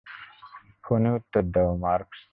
ফোনে উত্তর দাও, মার্কস।